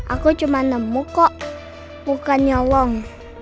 aku cuma nemu kok bukannya long